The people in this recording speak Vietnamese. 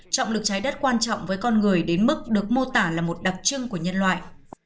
trọng lực trái đất quan trọng với con người đến mức được mô tả là một đặc trưng của nhân loại